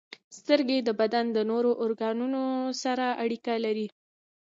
• سترګې د بدن د نورو ارګانونو سره اړیکه لري.